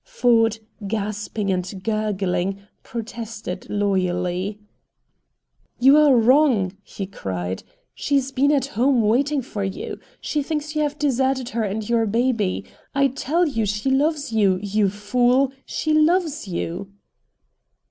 Ford, gasping and gurgling, protested loyally. "You are wrong!" he cried. "She's been at home waiting for you. She thinks you have deserted her and your baby. I tell you she loves you, you fool, she LOVES you!"